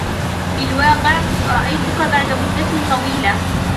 في الواقع ، رأيتك بعد مدة طويلة.